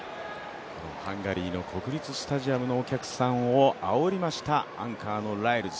ハンガリーの国立スタジアムのお客さんをあおりましたアンカーのライルズ。